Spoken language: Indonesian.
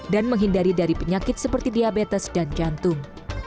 dan menghindari dari penyakit seperti diabetes dan jantung